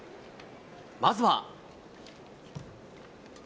まずは。